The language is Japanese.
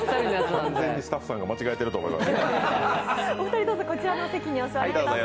完全にスタッフさんが間違えてると思います。